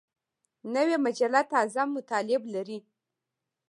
نوې مجله تازه مطالب لري